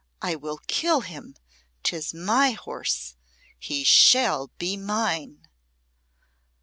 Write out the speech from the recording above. "I will kill him! 'Tis my horse. He shall be mine!"